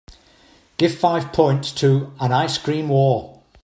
Give five points to An Ice-Cream War